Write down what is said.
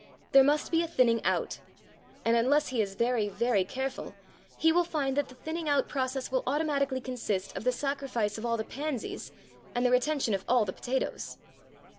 There must be a thinning out. And, unless he is very, very careful, he will find that the thinning out process will automatically consist of the sacrifice of all the pansies and the retention of all the potatoes.